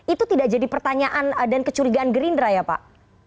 itu tidak jadi pertanyaan dan kecurigaan gerindra ya pak